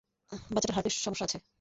বাচ্চাটার হার্টে সমস্যা আছে।